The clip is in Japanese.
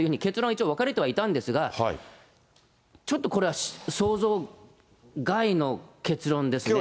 一応、分かれてはいたんですが、ちょっとこれは想像外の結論ですね。